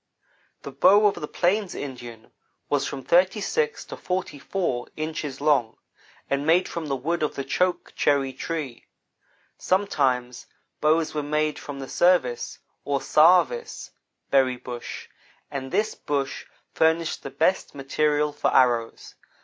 The bow of the plains Indian was from thirty six to forty four inches long, and made from the wood of the choke cherry tree. Sometimes bows were made from the service (or sarvice) berry bush, and this bush furnished the best material for arrows.